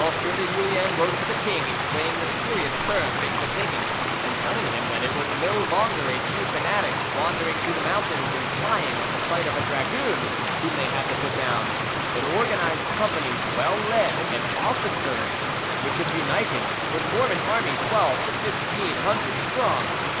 de Julien wrote to the king, explaining the serious turn things had taken, and telling him that it was no longer a few fanatics wandering through the mountains and flying at the sight of a dragoon whom they had to put down, but organised companies well led and officered, which if united would form an army twelve to fifteen hundred strong.